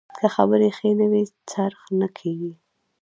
که خبرې ښې نه وي، خرڅ نه کېږي.